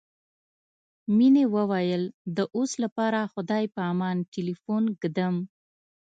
مينې وويل د اوس لپاره خدای په امان ټليفون ږدم.